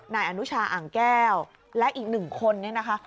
นายอนุชาอ่างแก้วและอีกหนึ่งคนเนี่ยนะคะ